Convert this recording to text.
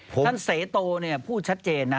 ท่านเสโตพูดชัดเจนนะ